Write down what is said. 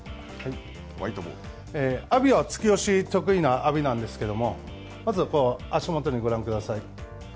突き押しの得意な阿炎なんですけれども、まず足元をご覧ください。